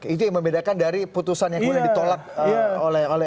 itu yang membedakan dari putusan yang ditolak oleh rk ya